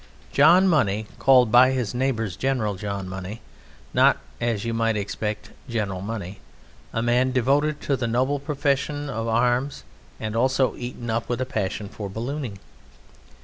John Money: called by his neighbours General John Money, not, as you might expect. General Money: a man devoted to the noble profession of arms and also eaten up with a passion for ballooning.